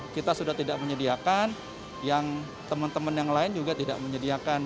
kita sudah tidak menyediakan yang teman teman yang lain juga tidak menyediakan